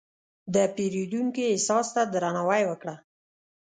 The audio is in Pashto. د پیرودونکي احساس ته درناوی وکړه.